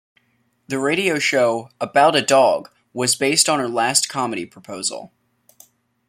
The radio show "About a Dog" was based on her last comedy proposal.